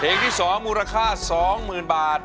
เพลงที่สองมูลค่าสองหมื่นบาท